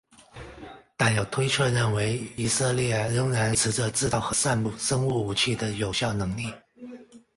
但有推测认为以色列仍然维持着制造和散布生物武器的有效能力。